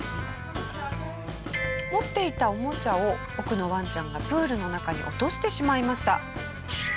持っていたおもちゃを奥のワンちゃんがプールの中に落としてしまいました。